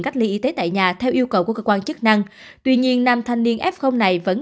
cách ly y tế tại nhà theo yêu cầu của cơ quan chức năng tuy nhiên nam thanh niên f này vẫn